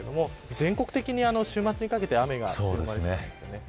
全国的に週末にかけて雨が強まる予想ですよね。